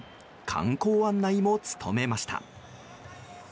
観光案内も務めました。